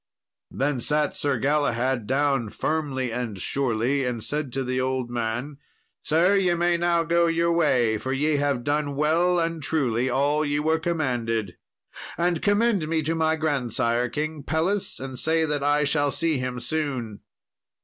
Then sat Sir Galahad down firmly and surely, and said to the old man, "Sir, ye may now go your way, for ye have done well and truly all ye were commanded, and commend me to my grandsire, King Pelles, and say that I shall see him soon."